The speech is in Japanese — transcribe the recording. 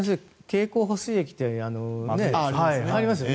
経口補水液ってありますよね。